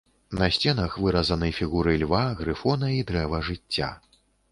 На сценах выразаны фігуры льва, грыфона і дрэва жыцця.